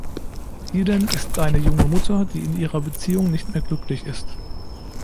Eden ist eine junge Mutter, die in ihrer Beziehung nicht mehr glücklich ist.